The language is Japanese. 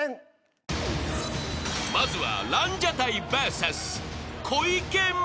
［まずは］